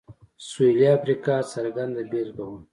سوېلي افریقا څرګنده بېلګه وه.